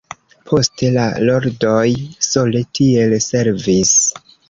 Poste, la Lordoj sole tiel servis.